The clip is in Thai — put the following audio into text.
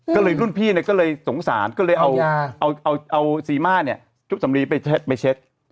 ก็เลยรุ่นพี่เนี่ยก็เลยสงสารก็เลยเอาซีม่าเนี่ยจุ๊บสำลีไปเช็ค